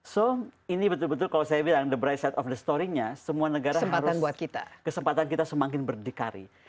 so ini betul betul kalau saya bilang the bright side of the story nya semua negara harus kesempatan kita semakin berdikari